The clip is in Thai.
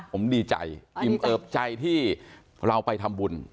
ผมดีใจอิ่มเอิบใจที่เราไปทำบุญ